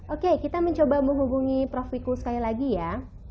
oke kita mencoba menghubungi prof viku sekali lagi ya